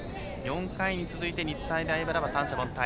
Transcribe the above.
４回に続いて日体大荏原は三者凡退。